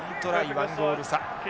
１ゴール差。